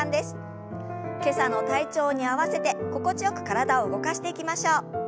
今朝の体調に合わせて心地よく体を動かしていきましょう。